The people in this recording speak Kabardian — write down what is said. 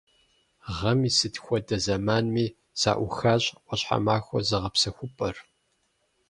Гъэм и сыт хуэдэ зэманми зэӀухащ «Ӏуащхьэмахуэ» зыгъэпсэхупӀэр.